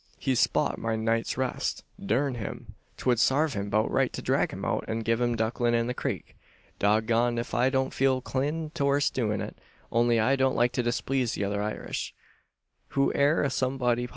"He's spoilt my night's rest, durn him! 'Twould sarve him 'bout right to drag him out, an giv him a duckin' in the crik. Dog goned ef I don't feel 'clined torst doin' it; only I don't like to displeeze the other Irish, who air a somebody.